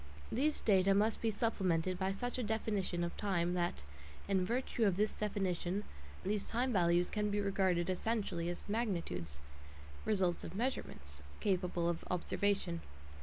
These data must be supplemented by such a definition of time that, in virtue of this definition, these time values can be regarded essentially as magnitudes (results of measurements) capable of observation.